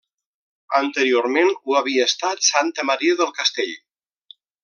Anteriorment ho havia estat santa Maria del castell.